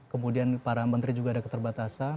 kemudian para menteri juga ada keterbatasan